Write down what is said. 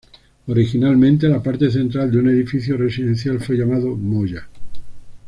Originalmente, la parte central de un edificio residencial fue llamado "moya".